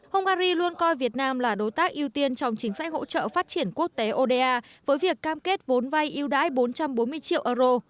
hungary luôn coi việt nam là đối tác ưu tiên trong chính sách hỗ trợ phát triển quốc tế oda với việc cam kết vốn vay ưu đãi bốn trăm bốn mươi triệu euro